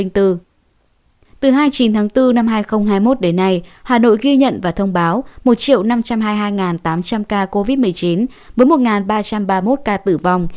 từ hai mươi chín tháng bốn năm hai nghìn hai mươi một đến nay hà nội ghi nhận và thông báo một năm trăm hai mươi hai tám trăm linh ca covid một mươi chín với một ba trăm ba mươi một ca tử vong